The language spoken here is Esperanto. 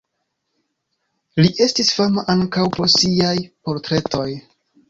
Li estis fama ankaŭ pro siaj portretoj.